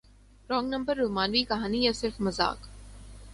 wrong number رومانوی کہانی یا صرف مذاق